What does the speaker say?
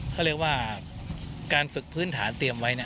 เขาเรียกว่าการฝึกพื้นฐานเตรียมไว้